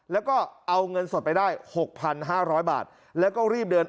แล้วก็เอาเงินสดไปได้๖๕๐๐บาทแล้วก็รีบเดิน